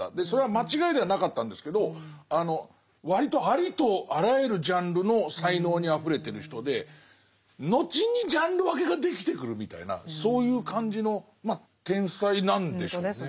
それは間違いではなかったんですけど割とありとあらゆるジャンルの才能にあふれてる人で後にジャンル分けができてくるみたいなそういう感じの天才なんでしょうね。